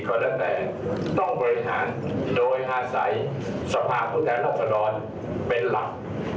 ก็แล้วแต่ต้องบริหารโดยห้าใสสภาพตั้งแต่รัฐบาลเป็นหลัก